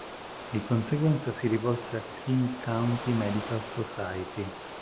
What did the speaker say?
Di conseguenza si rivolse al King County Medical Society.